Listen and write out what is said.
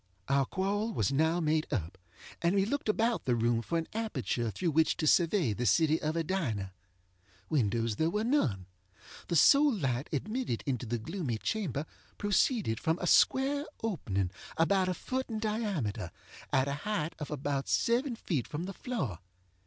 Our quarrel was now made up, and we looked about the room for an aperture through which to survey the city of Edina. Windows there were none. The sole light admitted into the gloomy chamber proceeded from a square opening, about a foot in diameter, at a height of about seven feet from the floor.